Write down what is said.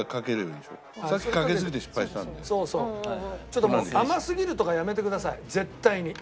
ちょっと「甘すぎる」とかやめてください絶対に。